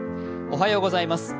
おはようございます。